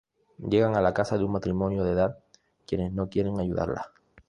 Llegan a la casa de un matrimonio de edad quienes no quieren ayudarlas.